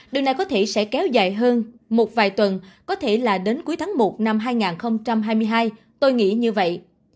điều này có thể sẽ kéo dài hơn một vài tuần có thể là đến cuối tháng một năm hai nghìn hai mươi hai tôi nghĩ như vậy